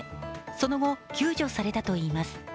その後、救助されたといいます。